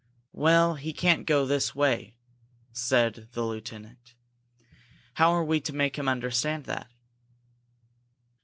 "Well, he can't go this way!" said the lieutenant. "How are we to make him understand that?"